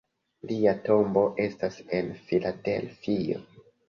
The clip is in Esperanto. Lia tombo estas en Filadelfio.